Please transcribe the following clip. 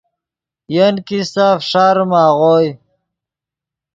ین کیستہ فݰاریم آغوئے۔